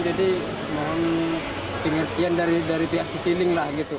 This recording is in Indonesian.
jadi mohon pengertian dari pihak setiling